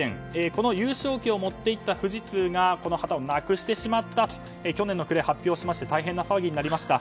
この優勝旗を持っていった富士通がこの旗をなくしてしまったと去年の暮れ、発表しまして大変な騒ぎになりました。